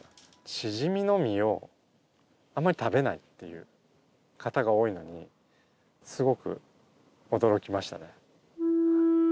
しじみの身をあんまり食べないっていう方が多いのにすごく驚きましたね。